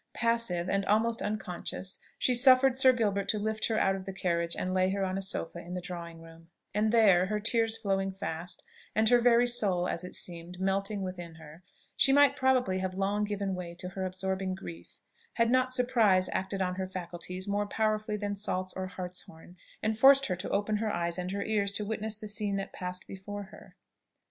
Passive, and almost unconscious, she suffered Sir Gilbert to lift her out of the carriage and lay her on a sofa in the drawing room: and there, her tears flowing fast, and her very soul, as it seemed, melting within her, she might probably have long given way to her absorbing grief, had not surprise acted on her faculties more powerfully than salts or hartshorn, and forced her to open her eyes and her ears to witness the scene that passed before her.